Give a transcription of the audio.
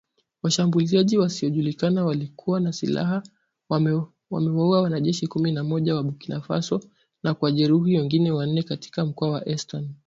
Washambuliaji wasiojulikana waliokuwa na silaha wamewaua wanajeshi kumi na moja wa Burkina Faso na kuwajeruhi wengine wanane katika mkoa wa Eston.